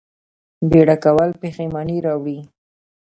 بیړه کول پښیماني راوړي